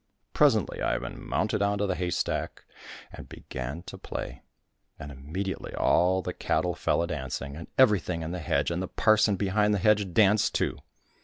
Presently Ivan mounted on to the haystack and began to play. And immediately all the cattle fell a dancing, and everything in the hedge, and the parson behind the hedge danced too.